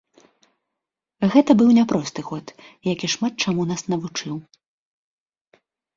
Гэта быў няпросты год, які шмат чаму нас навучыў.